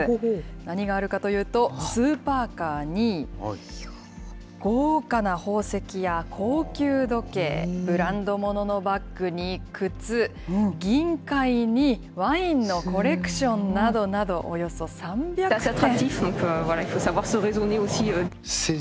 何があるかというと、スーパーカーに、豪華な宝石や高級時計、ブランド物のバッグに靴、銀塊に、ワインのコレクションなどなど、およそ３００点。